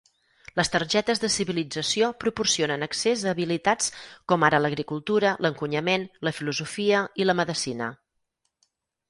Les targetes de civilització proporcionen accés a habilitats, com ara l'agricultura, l'encunyament, la filosofia i la medecina.